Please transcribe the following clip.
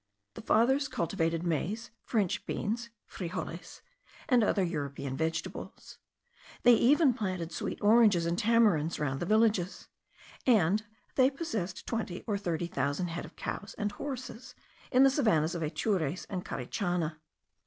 The fathers cultivated maize, French beans (frijoles), and other European vegetables; they even planted sweet oranges and tamarinds round the villages; and they possessed twenty or thirty thousand head of cows and horses, in the savannahs of Atures and Carichana.